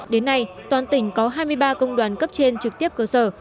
đến nay toàn tỉnh có hai mươi ba công đoàn cấp trên trực tiếp cơ sở